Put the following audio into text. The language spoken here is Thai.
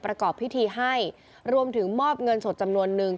ประกอบพิธีให้รวมถึงมอบเงินสดจำนวนนึง